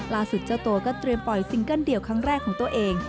เจ้าตัวก็เตรียมปล่อยซิงเกิ้ลเดี่ยวครั้งแรกของตัวเอง